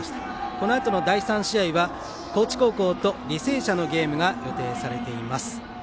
このあとの第３試合は高知高校と履正社の試合が予定されています。